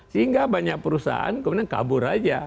sehingga banyak perusahaan kemudian kabur aja